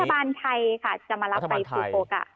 ทางรัฐบาลไทยค่ะจะมารับไปฟูโกะค่ะ